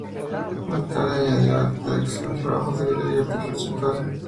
Más tarde, añadió el arte de acción, trabajos de video y arte conceptual.